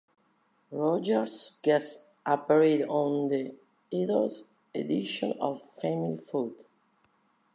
Rogers guest appeared on the 'Idols' edition of "Family Feud".